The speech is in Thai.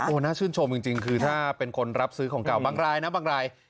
น่าชื่นชมจริงคือถ้าเป็นคนรับซื้อของเก่าบางรายนะบางราย